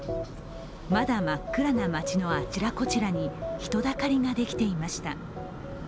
まだ真っ暗な街のあちらこちらに人だかりができていました。